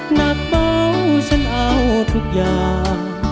หนักเบาฉันเอาทุกอย่าง